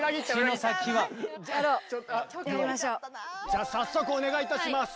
じゃ早速お願いいたします！